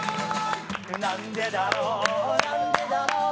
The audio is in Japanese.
なんでだろう、なんでだろう、